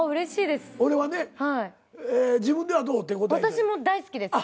私も大好きです。